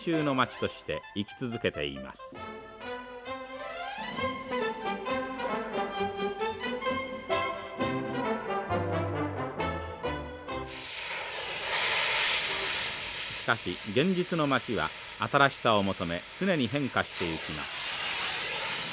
しかし現実の街は新しさを求め常に変化していきます。